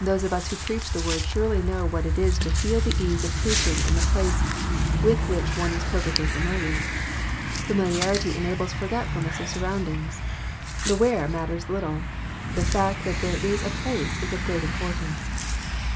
Those of us who preach the Word surely know what it is to feel the ease of preaching in the place with which one is perfectly familiar. Familiarity enables f orgetf ulness of surroundings. The " where " matters little. The fact that there is a place is of great importance.